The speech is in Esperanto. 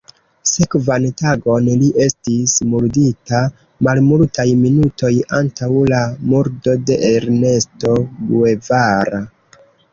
Sekvan tagon li estis murdita malmultaj minutoj antaŭ la murdo de Ernesto Guevara.